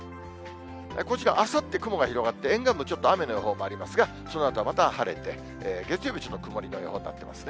こちら、あさって雲が広がって、沿岸部、ちょっと雨の予報もありますが、そのあとはまた晴れて、月曜日、ちょっと曇りの予報になってますね。